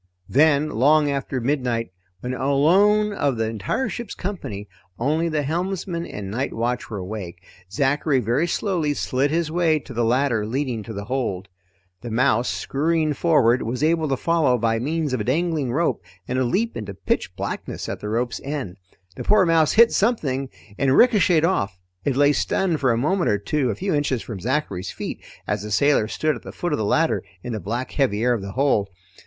Then, long after midnight when, alone of the entire ship's company, only the helmsman and night watch were awake, Zachary very slowly slid his way to the ladder leading to the hold. The mouse, scurrying forward, was able to follow by means of a dangling rope and a leap into pitch blackness at the rope's end. The poor mouse hit something and ricocheted off. It lay stunned for a moment or two a few inches from Zachary's feet as the sailor stood at the foot of the ladder in the black heavy air of the hold.